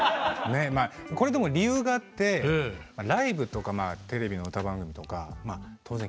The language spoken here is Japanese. これでも理由があってライブとかまあテレビの歌番組とか当然緊張するんですよ。